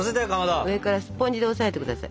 上からスポンジで押さえて下さい。